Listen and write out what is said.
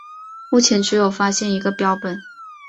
目前只有发现一个标本。